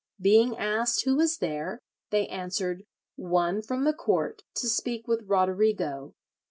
[44:1] Being asked who was there, they answered, 'one from the court, to speak with Roderigo.'